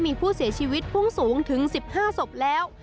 มีผู้เสียชีวิตพุ่งสูงถึง๑๕ศพแล้ว